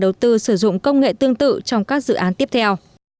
các nhà đầu tư sử dụng công nghệ tương tự trong các dự án tiếp theo